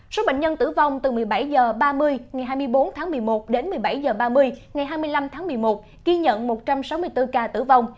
số bệnh nhân tử vong từ một mươi bảy h ba mươi ngày hai mươi bốn tháng một mươi một đến một mươi bảy h ba mươi ngày hai mươi năm tháng một mươi một ghi nhận một trăm sáu mươi bốn ca tử vong